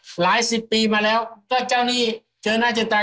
หลายสิบปีมาแล้วก็เจ้านี่เจอหน้าเจอตา